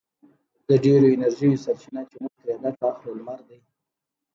د ډېرو انرژیو سرچینه چې موږ ترې ګټه اخلو لمر دی.